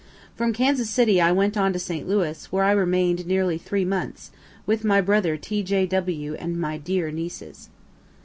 From Kansas City I went on to St. Louis, where I remain'd nearly three months, with my brother T.J.W., and my dear nieces.